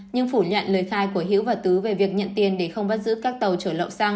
nhưng phủ nhận lời khai của hữu và tứ về việc nhận tiền để không bắt giữ các tàu trở lậu xăng